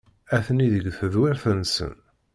Atni deg tedwirt-nsen.